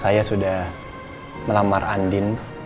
saya sudah melamar andin